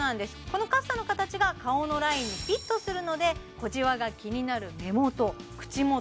このカッサの形が顔のラインにフィットするので小じわが気になる目元口元